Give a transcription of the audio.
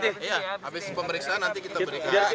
iya habis pemeriksaan nanti kita berikan